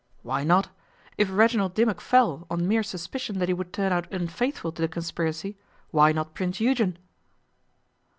'Why not? If Reginald Dimmock fell on mere suspicion that he would turn out unfaithful to the conspiracy, why not Prince Eugen?